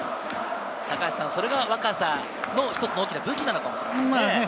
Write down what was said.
それが若さの一つの大きな武器なのかもしれませんね。